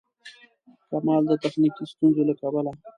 کمال د تخنیکي ستونزو له کبله.